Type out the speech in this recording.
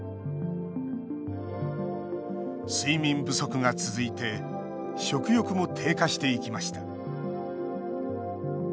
睡眠不足が続いて食欲も低下していきました。